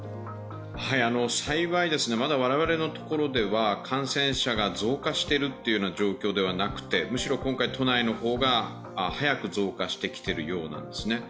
幸いまだ我々のところでは感染者が増加しているという状況ではなくてむしろ今回、都内の方が早く増加してきているようなんですね。